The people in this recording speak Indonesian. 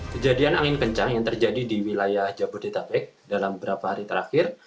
kejadian angin kencang yang terjadi di wilayah jabodetabek dalam beberapa hari terakhir